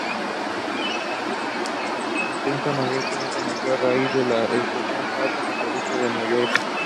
Entesa per Mallorca nació a raíz de una escisión del Partit Socialista de Mallorca.